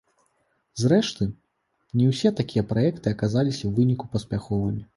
Зрэшты, не ўсе такія праекты аказаліся ў выніку паспяховымі.